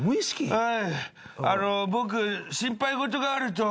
はい。